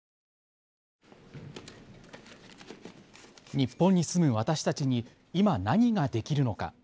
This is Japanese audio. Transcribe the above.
日本に住む私たちに今、何ができるのか。